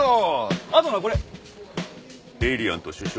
あとなこれエイリアンと首相の密約。